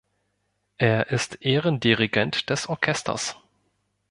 Er ist Ehrendirigent des Orchesters.